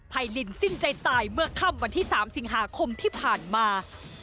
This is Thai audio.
ดินสิ้นใจตายเมื่อค่ำวันที่๓สิงหาคมที่ผ่านมา